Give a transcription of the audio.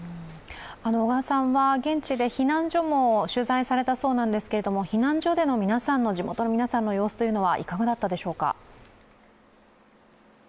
小川さんは現地で避難所の取材もされたそうなんですけれども避難所での地元の皆さんの様子はいかがだったでしょうか？